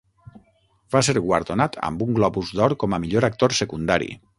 Va ser guardonat amb un Globus d'Or com a millor actor secundari.